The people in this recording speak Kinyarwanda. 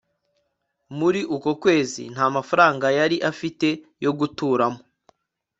Muri uko kwezi nta mafaranga yari afite yo guturamo